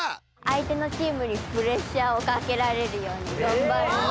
あいてのチームにプレッシャーをかけられるようにがんばります！